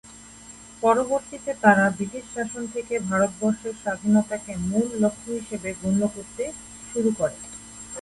পরবর্তীতে তারা ব্রিটিশ শাসন থেকে ভারতবর্ষের স্বাধীনতাকে মূল লক্ষ্য হিসেবে গণ্য করতে শুরু করে।